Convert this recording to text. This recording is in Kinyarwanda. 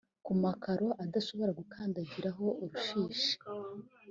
ku makaro adashobora gukandagiraho urushishi